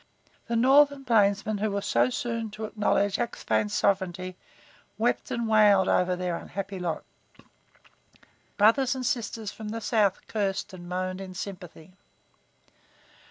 The northern plainsmen who were so soon to acknowledge Axphain sovereignty, wept and wailed over their unhappy lot. Brothers and sisters from the south cursed and moaned in sympathy.